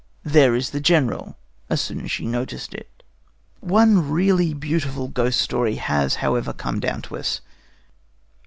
There is the General!" as soon as she noticed it. One really beautiful ghost story has, however, come down to us.